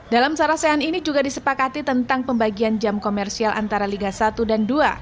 dalam sarasean ini juga disepakati tentang pembagian jam komersial antara liga satu dan dua